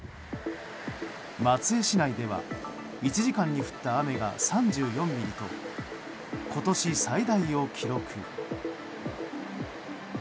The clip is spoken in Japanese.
松江市内では１時間に降った雨が３４ミリと、今年最大を記録。